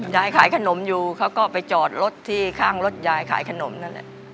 ยายขายขนมอยู่เขาก็ไปจอดรถที่ข้างรถยายขายขนมนั่นแหละ